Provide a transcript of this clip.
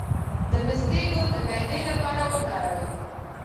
د پسته ګل د معدې لپاره وکاروئ